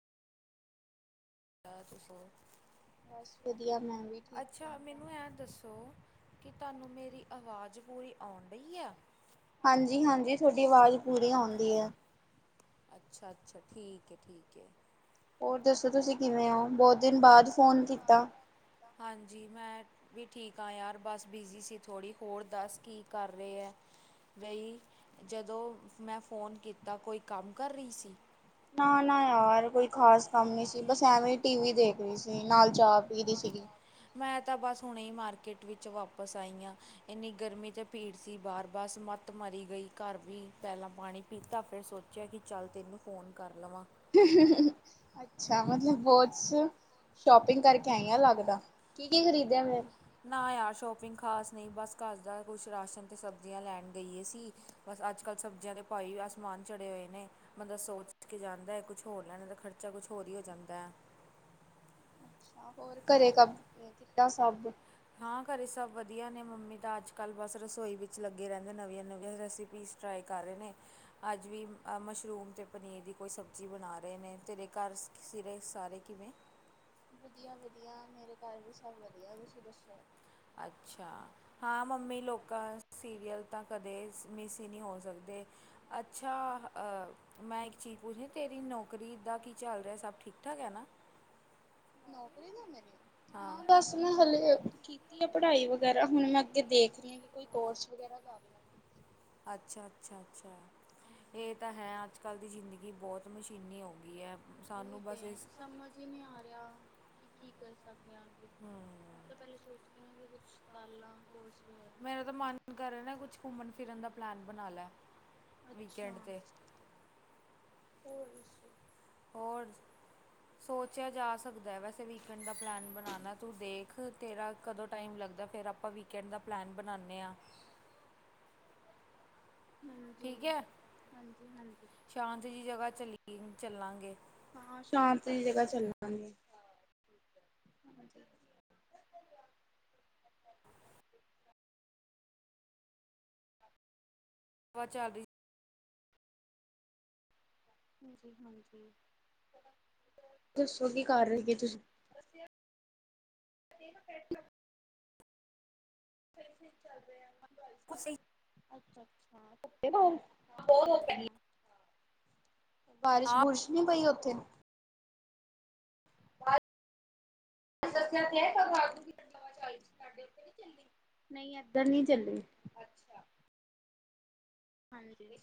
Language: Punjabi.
ਇਹ ਤੁੱ ਸੋ ਬਸ ਵਧੀਆ ਮੈਂ ਵੀ ਠੀਕ ਠਾਕ ਹ ਮੈਨੂੰ ਐਂ ਦੱਸੋ ਕਿ ਤੁਹਾਨੂੰ ਮੇਰੀ ਆਵਾਜ਼ ਪੂਰੀ ਆਉਣ ਡਈ ਆ ਹਾਂਜੀ, ਹਾਂਜੀ ਤੁਹਾਡੀ ਆਵਾਜ਼ ਪੂਰੀ ਆਉਂਦੀ ਆ। ਅੱਛਾ, ਅੱਛਾ ਠੀਕ ਹੈ ਠੀਕ ਹੈ। ਹੋਰ ਦੱਸੋ ਤੁਸੀਂ ਕਿਵੇਂ ਹੋ ਬਹੁਤ ਦਿਨ ਬਾਅਦ ਫੋਨ ਕੀਤਾ? ਹਾਂਜੀ, ਮੈਂ ਵੀ ਠੀਕ ਹਾਂ ਯਾਰ ਬਸ ਬਿਜ਼ੀ ਸੀ ਥੋੜ੍ਹੀ ਹੋਰ ਦੱਸ ਕੀ ਕਰ ਰਹੇ ਹੈ, ਬਈ ਜਦੋਂ ਮੈਂ ਫ਼ੋਨ ਕੀਤਾ ਕੋਈ ਕੰਮ ਕਰ ਰਹੀ ਸੀ। ਨਾ, ਨਾ ਯਾਰ ਕੋਈ ਖਾਸ ਕੰਮ ਨ ਸੀ, ਬਸ ਐਵੇਂ ਟੀ ਵੀ ਦੇਖ ਰਹੀ ਸੀ ਨਾਲ ਜਾ ਪੀ ਰੀ ਸੀਗੀ। ਮੈਂ ਤਾਂ ਬਸ ਹੁਣੇ ਹੀ ਮਾਰਕੀਟ ਵਿੱਚ ਵਾਪਿਸ ਆਈ ਹਾਂ, ਇੰਨੀ ਗਰਮੀ ਤੇ ਭੀੜ ਸੀ ਬਾਹਰ ਬਸ ਮੱਤ ਮਰੀ ਗਈ ਘਰ ਵੀ ਪਹਿਲਾਂ ਪਾਣੀ ਪੀਤਾ ਫਿਰ ਸੋਚਿਆ ਕਿ ਚੱਲ ਤੈਨੂੰ ਫ਼ੋਨ ਕਰ ਲਵਾਂ। ਅੱਛਾ ਮਤਲਬ ਬਹੁਤ ਸ਼ੋਪਿੰਗ ਕਰਕੇ ਆਈ ਹ ਲੱਗਦਾ ਕੀ, ਕੀ ਖਰੀਦਿਆ ਫੇਰ ਨਾ ਯਾਰ ਸ਼ੋਪਿੰਗ ਖਾਸ ਨਹੀਂ ਬਸ ਘਰ ਦਾ ਕੁਛ ਰਾਸ਼ਨ ਅਤੇ ਸਬਜ਼ੀਆਂ ਲੈਣ ਗਈਏ ਸੀ, ਬਸ ਅੱਜ ਕੱਲ੍ਹ ਸਬਜ਼ੀਆਂ ਦੇ ਭਏ ਆਸਮਾਨ ਚੜ੍ਹੇ ਹੋਏ ਨੇ ਬੰਦਾ ਸੋਚ ਕੇ ਜਾਂਦਾ ਹੈ ਕੁਛ ਹੋਰ ਲੈਣਾ ਦਾ ਖਰਚਾ ਕੁਛ ਹੋਰ ਹੀ ਹੋ ਜਾਂਦਾ ਹੈ। ਹੋਰ ਘਰੇ ਕ ਕਿੱਦਾਂ ਸਭ ਹਾਂ ਘਰੇ ਸਭ ਵਧੀਆ ਨੇ ਮੰਮੀ ਤਾਂ ਅੱਜ ਕੱਲ੍ਹ ਬਸ ਰਸੋਈ ਵਿੱਚ ਲੱਗੇ ਰਹਿੰਦੇ ਨਵੀਆਂ, ਨਵੀਆਂ ਰੈਸਪੀਜ਼ ਟਰਾਈ ਕਰ ਰਹੇ ਨੇ ਅੱਜ ਵੀ ਮਸ਼ਰੂਮ ਅਤੇ ਪਨੀਰ ਦੀ ਕੋਈ ਸਬਜ਼ੀ ਬਣਾ ਰਹੇ ਨੇ ਤੇਰੇ ਘਰ ਸਿਰੇ ਸਾਰੇ ਕਿਵੇਂ ਵਧੀਆ, ਵਧੀਆ ਮੇਰੇ ਘਰ ਵੀ ਸਭ ਵਧੀਆ ਤੁਸੀਂ ਦੱਸੋ? ਅੱਛਾ ਹਾਂ ਮੰਮੀ ਲੋਕਾਂ ਸੀਰੀਅਲ ਤਾਂ ਕਦੇ ਮਿਸ ਹੀ ਨਹੀਂ ਹੋ ਸਕਦੇ, ਅੱਛਾ ਮੈਂ ਇੱਕ ਚੀਜ਼ ਪੁੱਛਣੀ ਤੇਰੀ ਨੌਕਰੀ ਦਾ ਕੀ ਚੱਲ ਰਿਹਾ ਸਭ ਠੀਕ ਠਾਕ ਹੈ ਨਾ ਨੌਕਰੀ ਦਾ ਮੇਰੇ ਹਾਂ, ਬਸ ਮੈਂ ਹਲੇ ਪੜ੍ਹਾਈ ਵਗੈਰਾ ਹੁਣ ਮੈਂ ਅੱਗੇ ਦੇਖ ਰਹੀ ਹਾਂ, ਕਿ ਕੋਈ ਕੋਰਸ ਵਗੈਰਾ ਕਾਰ ਲਵਾ। ਅੱਛਾ, ਅੱਛਾ, ਅੱਛਾ ਹਾਂਜੀ। ਇਹ ਤਾਂ ਹੈ, ਅੱਜ ਕੱਲ੍ਹ ਦੀ ਜ਼ਿੰਦਗੀ ਕਿ ਬਹੁਤ ਮਸ਼ੀਨੀ ਹੋ ਗਈ ਹੈ। ਉਹੀ ਸਾਨੂੰ ਤੇ ਬਸ ਇਸ ਸਮਝ ਹੀ ਨਹੀ ਆ ਰਿਹਾ। ਕੀ, ਕੀ ਕਰ ਸਕ ਮੈਂ ਤਾਂ ਪਹਿਲੇ ਸੋਚ ਇਹਨਾਂ ਦੇ ਕੁਛ ਕਾਰ ਲਾ ਕੋਰਸ ਵਗੈਰਾ। ਮੇਰਾ ਤਾਂ ਮਨ ਕਰੇ ਨਾ ਕੁਛ ਘੁੰਮਣ ਫਿਰਨ ਦਾ ਪਲੈਨ ਬਣਾਂ ਲੈ। ਅੱਛਾ। ਵੀਕਐਂਡ 'ਤੇ ਹੋਰ ਦੱਸੋਂ। ਹੋਰ ਸੋਚਿਆਂ ਜਾਂ ਸਕਦਾਂ ਹੈਂ। ਵੈਸੇ ਵੀਕ ਐਂਡ ਦਾ ਪਲੈਨ ਬਣਾਉਂਣਾ ਤੂੰ ਦੇਖ। ਤੇਰਾਂ ਕਦੋਂ ਟਾਇਮ ਲੱਗਦਾ। ਫ਼ਿਰ ਆਪਾਂ ਵੀਕ ਐਂਡ ਦਾ ਪਲੈਨ ਬਣਾਉਂਦੇ ਹਾਂ। ਠੀਕ ਹਾਂਜੀ, ਹੈ ਹਾਂਜੀ, ਹਾਂਜੀ, ਸ਼ਾਂਤ ਜਿਹੀ ਜਗ੍ਹਾ ਚੱਲੀ ਚੱਲਾਂਗੇ ਹਵਾ ਹਾਂ ਸ਼ਾਂਨਤ ਜੀਅ ਜਗਾਂ ਚੱਲਨਾ ਹਾਂਜੀ। ਚੱਲ ਰਹੀ। ਹਾਂਜੀ, ਹਾਂਜੀ ਦੱਸੋਂ ਕੀ ਕਰ ਰਹੇਂ ਤੁਸੀਂ। ਫ਼ਿਰ ਠੀਕ ਚੱਲ ਰਿਹਾ ਕੰਮ ਕੁਛ ਸਹੀ [unintelligible] ਆ ਬਾਰਿਸ਼ ਬੁਰਿਸ਼ ਨੀਂ ਪਈ ਉਥ [inaudible] ਨਹੀਂ ਏਧਰ ਨੀਂ ਚਲੀ। ਅੱਛਾ ਹਾਂਜੀ।